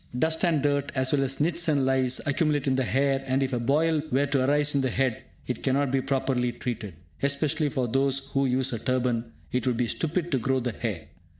Dust and dirt, as well as nits and lice, accumulate in the hair, and if a boil were to arise on the head, it cannot be properly treated. Especially for those who use a turban, it would be stupid to grow the hair.